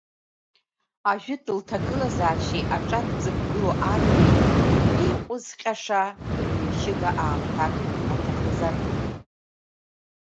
Ажәытә лҭагылазаашьеи аҿатә дзықәгыло амҩеи еиҟәызҟьаша рҩышьага аамҭак аҭахызар?